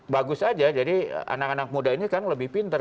bagus aja jadi anak anak muda ini kan lebih pinter